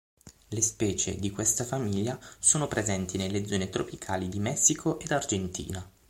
Le specie di questa famiglia sono presenti nelle zone tropicali di Messico ed Argentina.